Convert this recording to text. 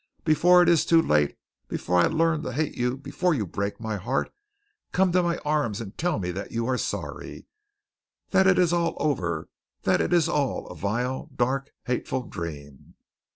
"Before it is too late, before I learn to hate you, before you break my heart, come to my arms and tell me that you are sorry that it is all over that it is all a vile, dark, hateful dream.